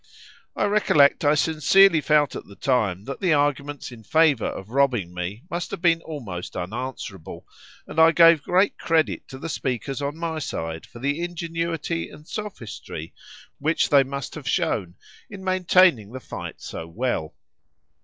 I recollect I sincerely felt at the time that the arguments in favour of robbing me must have been almost unanswerable, and I gave great credit to the speakers on my side for the ingenuity and sophistry which they must have shown in maintaining the fight so well.